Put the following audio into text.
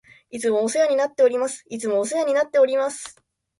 いつもお世話になっております。いつもお世話になっております。